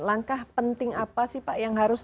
langkah penting apa sih pak yang harus